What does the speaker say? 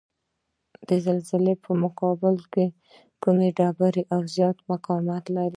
د زلزلې په مقابل کې کومې ډبرې زیات مقاومت لري؟